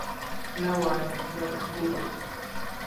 Nelaime dara gudru.